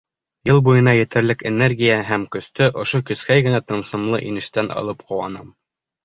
Йыл буйына етерлек энергия һәм көстө ошо кескәй генә тылсымлы инештән алып ҡыуанам.